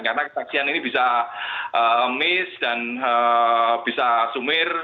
karena kesaksian ini bisa mis dan bisa sumir